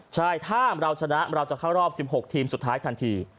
ใช่ถ้าเราชนะเราจะเข้ารอบ๑๖ทีมสุดท้ายทันที